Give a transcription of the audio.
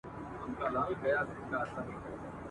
نه مي هوږه خوړلی ده او نه یې له بویه بېرېږم ..